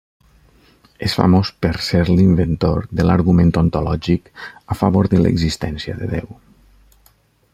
És famós per ser l'inventor de l'argument ontològic a favor de l'existència de Déu.